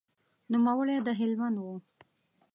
نوموړی د هلمند و.